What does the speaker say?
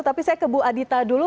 tapi saya ke bu adita dulu